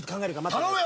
頼むよ。